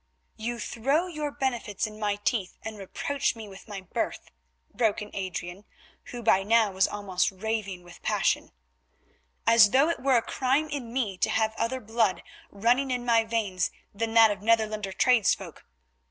"You throw your benefits in my teeth, and reproach me with my birth," broke in Adrian, who by now was almost raving with passion, "as though it were a crime in me to have other blood running in my veins than that of Netherlander tradesfolk.